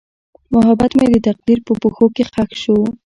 محبت مې د تقدیر په پښو کې ښخ شو.